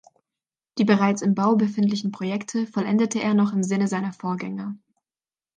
Die bereits im Bau befindlichen Projekte vollendete er noch im Sinne seiner Vorgänger.